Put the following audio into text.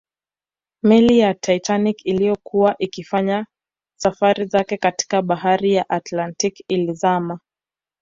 Meli ya Titanic iliyokuwa ikifanya safari zake katika bahari ya Atlantic ilizama